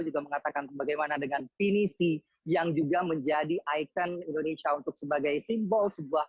juga mengatakan bagaimana dengan pinisi yang juga menjadi ikon indonesia untuk sebagai simbol sebuah